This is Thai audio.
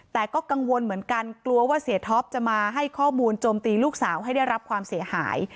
แต่ก็กังวลเหมือนกันกลัวว่าเสียท็อปจะมาให้ข้อมูลโจมตีลูกสาวให้ได้รับความเสียหาย